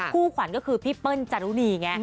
คู่ควรก็คือพี่เปิ้ลจารุนี